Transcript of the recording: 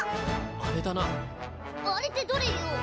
あれってどれよ！